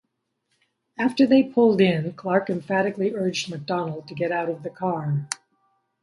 After they pulled in, Clark emphatically urged MacDonald to get out of the car.